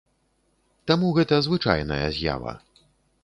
Таму гэта звычайная з'ява.